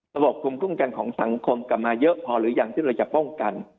ระบบภูมิคุ้มกันของสังคมกลับมาเยอะพอหรือยังที่เราจะป้องกัน